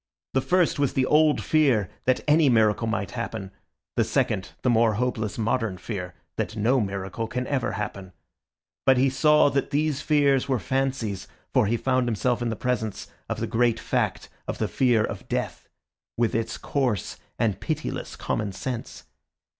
The first was the old fear that any miracle might happen, the second the more hopeless modern fear that no miracle can ever happen. But he saw that these fears were fancies, for he found himself in the presence of the great fact of the fear of death, with its coarse and pitiless common sense.